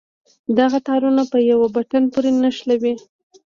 دغه تارونه په يوه بټن پورې نښلوو.